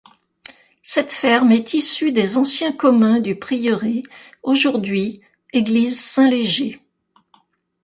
Cette ferme est issue des anciens communs du prieuré, aujourd'hui église Saint-Léger.